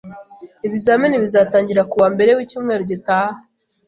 Ibizamini bizatangira ku wa mbere wicyumweru gitaha